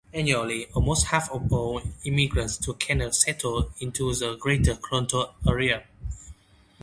Annually, almost half of all immigrants to Canada settle in the Greater Toronto Area.